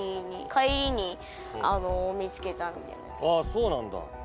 そうなんだ。